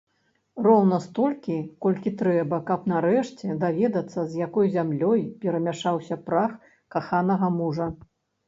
Роўна столькі, колькі трэба, каб, нарэшце, даведацца, з якой зямлёй перамяшаўся прах каханага мужа.